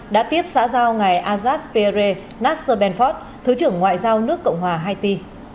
đã tiếp xã giao ngài azad pire nasr benford thứ trưởng ngoại giao nước cộng hòa haiti